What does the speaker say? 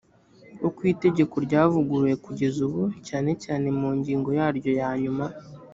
uko itegeko ryavuguruwe kugeza ubu cyane cyane mu ngingo yaryo ya nyuma